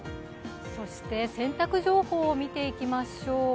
そして、洗濯情報を見ていきましょう。